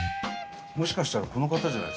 もしかしたらこの方じゃないですか。